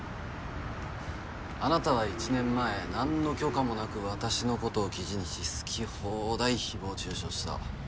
あなたは１年前何の許可もなく私のことを記事にし好き放題誹謗中傷した。